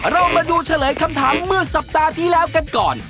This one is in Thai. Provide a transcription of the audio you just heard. เรามาดูเฉลยคำถามเมื่อสัปดาห์ที่แล้วกันก่อน